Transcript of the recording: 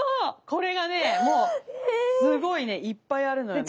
これがねもうすごいねいっぱいあるのよね。